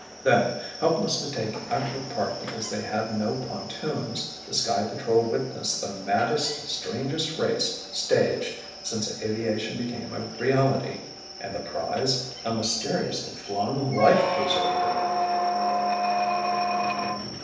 Then, helpless to take active part because they had no pontoons, the Sky Patrol witnessed the maddest, strangest race staged since aviation became a reality. And the prize? A mysteriously flung life preserver!